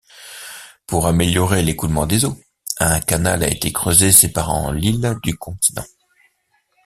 Pour améliorer l'écoulement des eaux, un canal a été creusé séparant l'île du continent.